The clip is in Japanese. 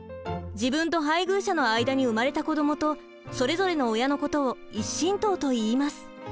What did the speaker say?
自分と配偶者の間に生まれた子どもとそれぞれの親のことを「１親等」と言います。